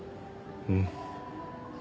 うん。